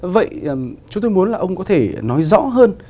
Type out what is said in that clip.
vậy chúng tôi muốn là ông có thể nói rõ hơn